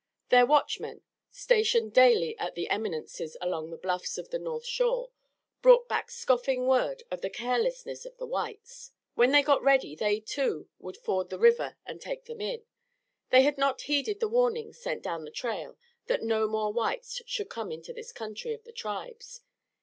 Their watchmen, stationed daily at the eminences along the river bluffs of the north shore, brought back scoffing word of the carelessness of the whites. When they got ready they, too, would ford the river and take them in. They had not heeded the warning sent down the trail that no more whites should come into this country of the tribes.